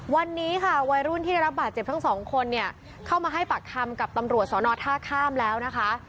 วันนี้ค่ะวัยรุ่นที่ได้รับบาดเจ็บทั้งสองคนเนี่ยเข้ามาให้ปากคำกับตำรวจสอนอท่าข้ามแล้วนะคะ